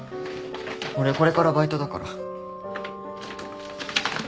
俺これからバイトだから。